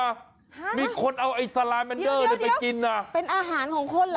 ห้าเดี๋ยวมีคนเอาไอ้สาลาแมนเดอร์น่าไปกินนะเป็นอาหารของคนเหรอครับ